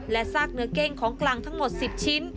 และซากเนื้อเก้งของกลางทั้งหมด๑๐ชิ้น